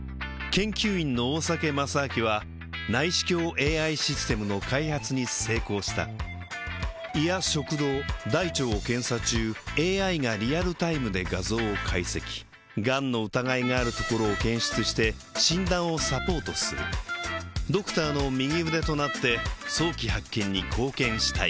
研究員の大酒正明は内視鏡ＡＩシステムの開発に成功した胃や食道大腸を検査中ＡＩがリアルタイムで画像を解析がんの疑いがあるところを検出して診断をサポートするドクターの右腕となって早期発見に貢献したい